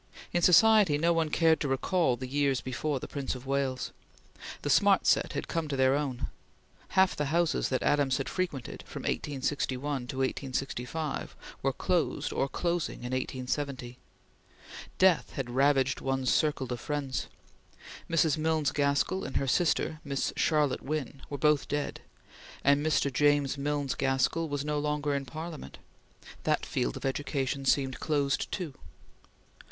In society no one cared to recall the years before the Prince of Wales. The smart set had come to their own. Half the houses that Adams had frequented, from 1861 to 1865, were closed or closing in 1870. Death had ravaged one's circle of friends. Mrs. Milnes Gaskell and her sister Miss Charlotte Wynn were both dead, and Mr. James Milnes Gaskell was no longer in Parliament. That field of education seemed closed too.